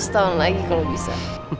seratus tahun lagi kalau bisa